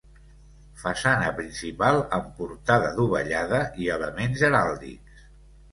Façana principal amb portada dovellada i elements heràldics.